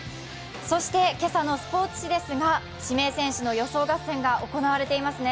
そして今朝のスポーツ紙ですが、指名選手の予想合戦が行われていますね。